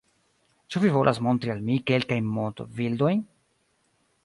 Ĉu vi volas montri al mi kelkajn modbildojn?